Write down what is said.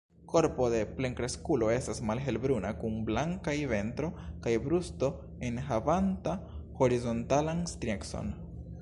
Korpo de plenkreskulo estas malhelbruna kun blankaj ventro kaj brusto enhavanta horizontalan striecon.